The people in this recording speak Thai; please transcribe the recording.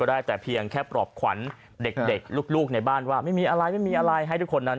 ก็ได้แต่เพียงแค่ปรบขวัญเด็กลูกในบ้านว่าไม่มีอะไรให้ทุกคนนั้น